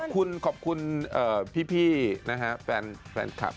แล้วก็ขอบคุณพี่แฟนคลับ